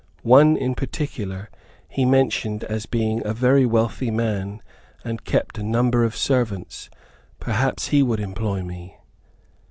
One in particular, he mentioned as being a very wealthy man, and kept a number of servants; perhaps he would employ me.